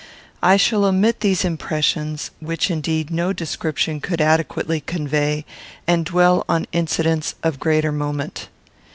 I shall omit these impressions, which, indeed, no description could adequately convey, and dwell on incidents of greater moment.